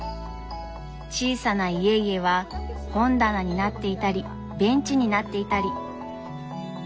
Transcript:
小さな家々は本棚になっていたりベンチになっていたり。